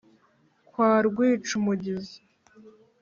kwa r wicumugize